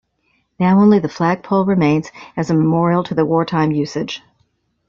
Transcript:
Now only the flag pole remains as a memorial to the wartime usage.